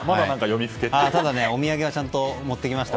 ただお土産はちゃんと持ってきました。